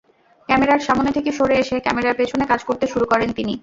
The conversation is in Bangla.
ক্যামেরার সামনে থেকে সরে এসে ক্যামেরার পেছনে কাজ করতে শুরু করেন তিনি।